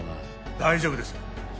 大丈夫です。